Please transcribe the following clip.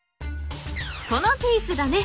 ［このピースだね］